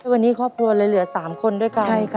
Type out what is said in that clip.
วันนี้ครอบครัวเลยเหลือ๓คนด้วยกัน